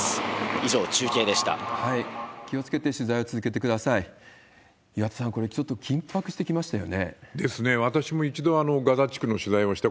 以上、中継でした。